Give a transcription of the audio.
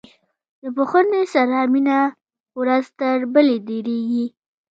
د پوهنې سره مینه ورځ تر بلې ډیریږي.